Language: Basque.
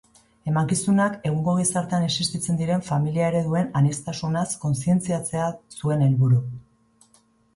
Emankizunak egungo gizartean existitzen diren familia ereduen aniztasunaz kontzientziatzea zuen helburu.